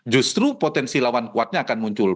justru potensi lawan kuatnya akan muncul